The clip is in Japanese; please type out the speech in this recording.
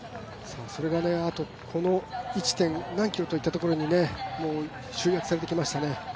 それがこの１．何キロといったところに集約されてきましたね。